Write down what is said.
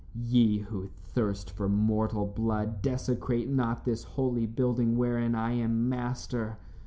"Ye who thirst for mortal blood, desecrate not this holy building wherein I am master.